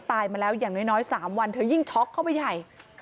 ตายมาแล้วอย่างน้อย๓วันเธอยิ่งช็อกเข้าไปใหญ่